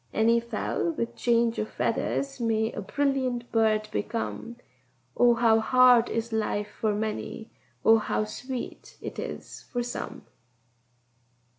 Any fowl with change of feathers may a brilliant bird become: Oh, how hard is life for many! oh, how sweet it is for some!